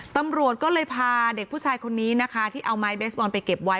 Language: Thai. ตำรวจก็เลยพาเด็กผู้ชายคนนี้นะคะที่เอาไม้เบสบอลไปเก็บไว้